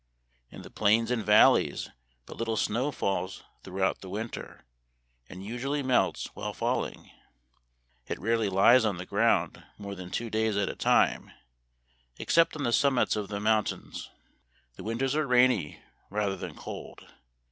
In the plains and valleys but little snow falls through out the winter, and usually melts while falling. It rarely lies on the ground more than two days at a time, except on the summits of the mount 23 Memoir of Washington Irving. ains. The winters are rainy rather than cold.